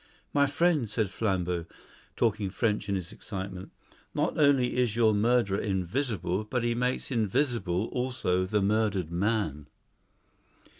"My friend," said Flambeau, talking French in his excitement, "not only is your murderer invisible, but he makes invisible also the murdered man."